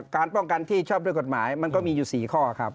การป้องกันที่ชอบด้วยกฎหมายมันก็มีอยู่๔ข้อครับ